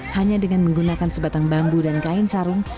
hanya dengan menggunakan sebatang bambu dan kain sarung